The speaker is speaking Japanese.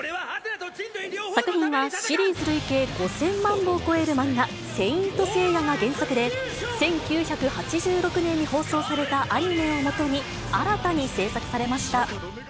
作品はシリーズ累計５０００万部を超える漫画、聖闘士星矢が原作で、１９８６年に放送されたアニメをもとに、新たに制作されました。